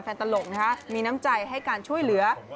แฟนตลกมีน้ำใจให้การช่วยเหลือ